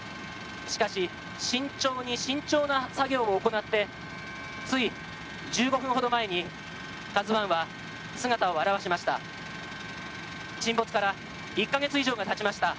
しかし慎重に慎重な作業を行ってつい１５分ほど前に「ＫＡＺＵ１」は姿を現しました。